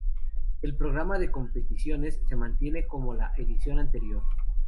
El programa de competiciones se mantiene como en la edición anterior.